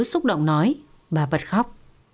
xúc động nói bà bật khóc